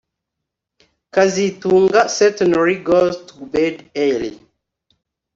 kazitunga certainly goes to bed early